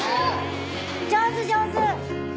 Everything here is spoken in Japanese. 上手上手。